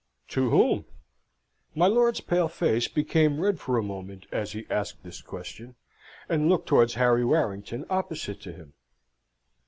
"To whom?" My lord's pale face became red for a moment, as he asked this question, and looked towards Harry Warrington, opposite to him.